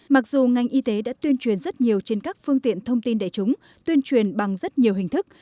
mặc dù ngành y tế đã tuyên truyền rất nhiều trên các phương tiện thông tin đại chúng tuyên truyền bằng rất nhiều hình thức